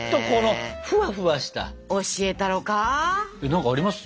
何かあります？